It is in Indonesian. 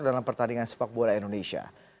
dalam pertandingan sepak bola indonesia